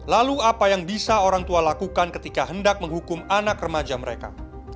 lalu apa yang bisa orang tua lakukan ketika hendak menghukum anak remaja mereka